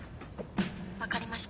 分かりました。